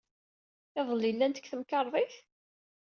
Iḍelli, llant deg temkarḍit?